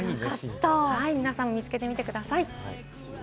皆さん見つけてみてください。